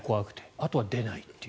あとは出ないという。